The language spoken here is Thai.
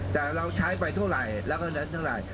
แต่เราใช้ไปเท่าไหร่แล้วก็นั้นเท่าไหร่